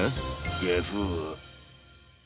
ゲフ。